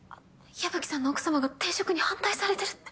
矢吹さんの奥様が転職に反対されてるって。